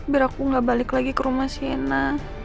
biar aku nggak balik lagi ke rumah sienna